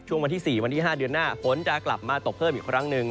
วันที่๔วันที่๕เดือนหน้าฝนจะกลับมาตกเพิ่มอีกครั้งหนึ่ง